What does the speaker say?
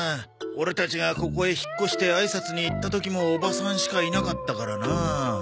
オレたちがここへ引っ越してあいさつに行った時もおばさんしかいなかったからな。